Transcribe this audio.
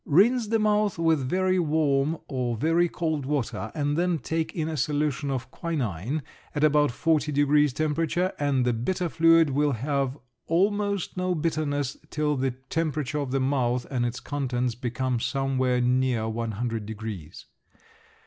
Rinse the mouth with very warm or very cold water and then take in a solution of quinine at about forty degrees temperature and the bitter fluid will have almost no bitterness till the temperature of the mouth and its contents becomes somewhere near one hundred degrees.